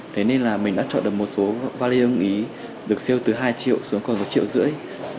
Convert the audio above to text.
thế nên là mình đã chọn được một số valing ý được siêu từ hai triệu xuống còn một triệu rưỡi